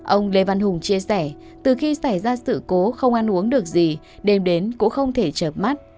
ông lê văn hùng chia sẻ từ khi xảy ra sự cố không ăn uống được gì đêm đến cũng không thể chợp mắt